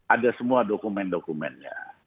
ada semua dokumen dokumennya